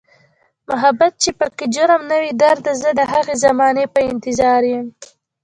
محبت چې پکې جرم نه وي درده، زه د هغې زمانې په انتظاریم